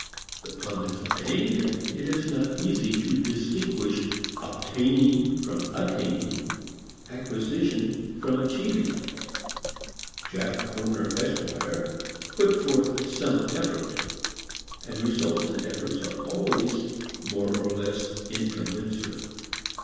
The plum is obtained, and it is not easy to distinguish obtaining from attaining, acquisition from achieving. Jack Horner, Esq., put forth some effort; and results and efforts are always more or less incommensurate.